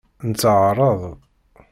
Netteɛṛaḍ.